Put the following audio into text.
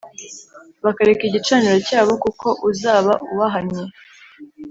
bakareka igicaniro cyabo, kuko uzaba ubahannye